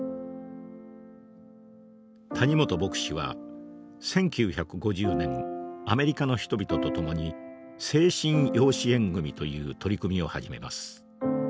谷本牧師は１９５０年アメリカの人々と共に「精神養子縁組」という取り組みを始めます。